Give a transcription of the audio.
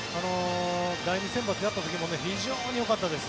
第２先発をやった時も非常によかったです。